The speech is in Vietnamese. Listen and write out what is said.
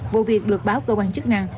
vụ việc được báo cơ quan chức năng